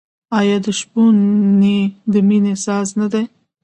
آیا د شپون نی د مینې ساز نه دی؟